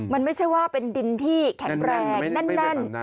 มันไม่ใช่ว่าเป็นดินที่แข็งแรงแน่น